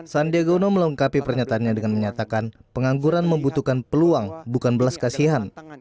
sandiaga uno melengkapi pernyataannya dengan menyatakan pengangguran membutuhkan peluang bukan belas kasihan